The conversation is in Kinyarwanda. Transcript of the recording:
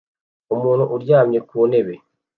Umuntu aryamye ku ntebe